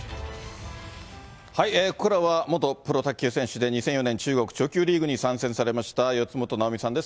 ここからは元プロ卓球選手で、２００４年中国ちょうきゅうリーグに参戦された、四元奈生美さんです。